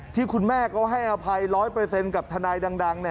ที่คุณแม่เขาให้อภัย๑๐๐กับทนายดัง